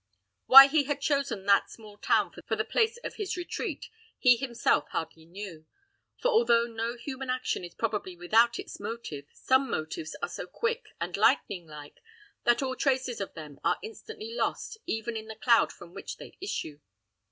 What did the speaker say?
Why he had chosen that small town for the place of his retreat, he himself hardly knew; for although no human action is probably without its motive, some motives are so quick and lightning like, that all traces of them are instantly lost even in the cloud from which they issue.